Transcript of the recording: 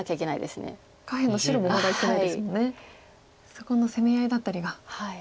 そこの攻め合いだったりが。